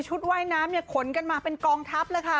ว่ายน้ำเนี่ยขนกันมาเป็นกองทัพเลยค่ะ